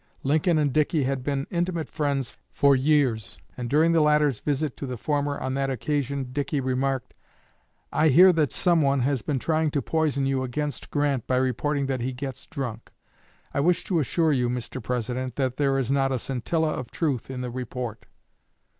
Lincoln and Dickey had been intimate friends for years, and during the latter's visit to the former on that occasion, Dickey remarked, "I hear that some one has been trying to poison you against Grant by reporting that he gets drunk. I wish to assure you, Mr. President, that there is not a scintilla of truth in the report."